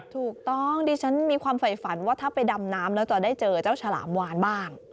ถูกต้องดิฉันมีความไฝฝันว่าถ้าไปดำน้ำแล้วจะได้เจอเจ้าฉลามวานบ้าง